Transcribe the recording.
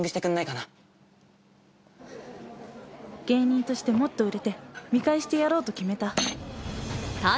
芸人としてもっと売れて見返してやろうと決めた